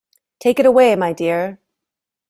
Take it away, my dear.